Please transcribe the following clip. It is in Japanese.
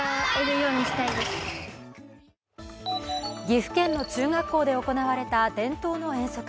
岐阜県の中学校で行われた伝統の遠足。